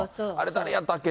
誰やったっけ？